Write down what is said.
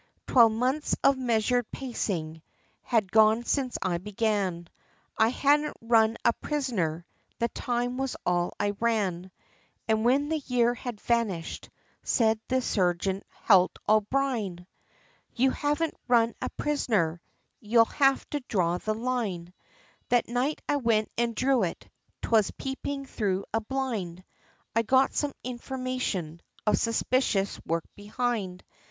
Twelve months of measured pacing, had gone since I began; I hadn't run a prisoner, the time was all I ran; And when the year had vanished, said the sergeant, "Halt, O'Brine! You haven't run a prisoner, you'll have to draw the line." That night I went and drew it 'twas peeping through a blind! I got some information, of suspicious work behind.